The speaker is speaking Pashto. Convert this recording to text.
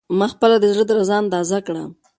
ما خپله د زړه درزا اندازه کړه.